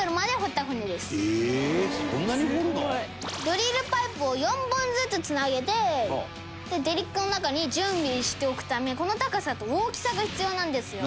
「ドリルパイプを４本ずつつなげてデリックの中に準備しておくためこの高さと大きさが必要なんですよ」